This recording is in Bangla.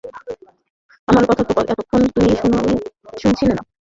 আমার কথাটা তো এতক্ষণ তুই শুনলি না।